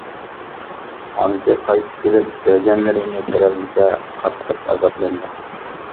ئانىسى قايتىپ كېلىپ بۆجەنلىرىنى كۆرەلمىسە قاتتىق ئازابلىنىدۇ.